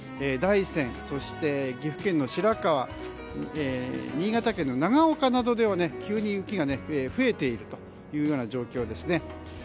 大山そして岐阜県の白川新潟県の長岡などでは急に雪が増えているというような状況です。